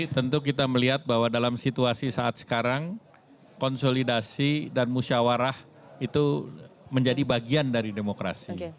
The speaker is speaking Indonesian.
tentu kita melihat bahwa dalam situasi saat sekarang konsolidasi dan musyawarah itu menjadi bagian dari demokrasi